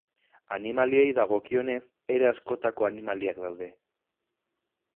Animaliei dagokienez, era askotako animaliak daude.